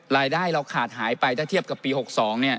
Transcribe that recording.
รายได้เราขาดหายไปถ้าเทียบกับปี๖๒